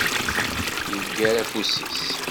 Yeggar afus-is.